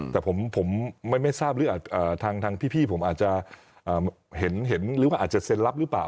แต่ผมไม่ทราบหรือทางพี่ผมอาจจะเห็นหรือว่าอาจจะเซ็นรับหรือเปล่า